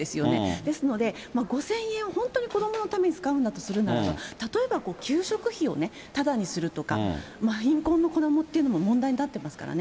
ですので、５０００円を本当に子どものために使うんだとするならば、例えば給食費をただにするとか、貧困の子どもというのも今、問題になってますからね。